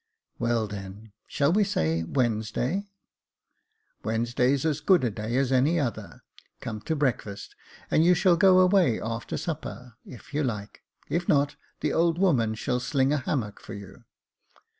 " Well, then, shall we say Wednesday ?"" Wednesday's as good a day as any other day ; come to breakfast, and you shall go away after supper, if you like ; if not, the old woman shall sling a hammock for you."